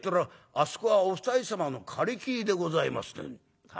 『あそこはお二人様の借り切りでございます』ってんだ。